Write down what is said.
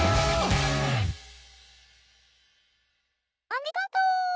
ありがと！